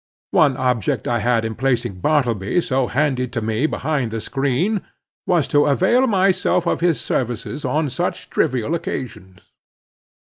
One object I had in placing Bartleby so handy to me behind the screen, was to avail myself of his services on such trivial occasions.